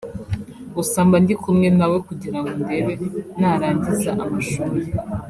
gusa mba ndi kumwe nawe kugira ngo ndebe narangiza amashuri